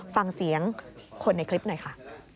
ฟังเสียงคนในคลิปหน่อยค่ะ